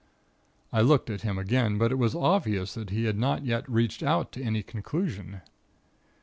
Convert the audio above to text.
I looked at him again, but it was obvious that he had not yet reached out to any conclusion.